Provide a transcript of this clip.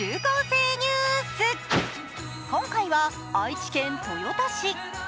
今回は愛知県豊田市。